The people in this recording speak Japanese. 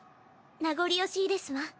名残惜しいですわ。